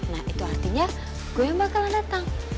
nah itu artinya gue yang bakalan datang